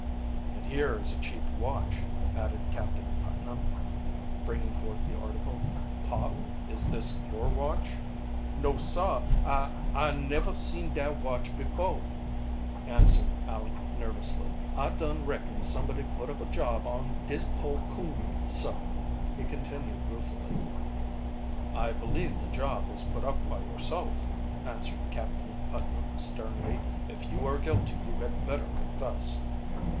"And here is a cheap watch," added Captain Putnam, bringing forth the article. "Pop, is this your watch?" "No, sah I I never seen dat watch before," answered Aleck nervously. "I dun reckon sumbuddy put up a job on dis poah coon, sah," he continued ruefully. "I believe the job was put up by yourself," answered Captain Putnam sternly. "If you are guilty you had better confess."